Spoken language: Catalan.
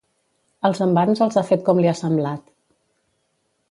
Els envans els ha fet com li ha semblat.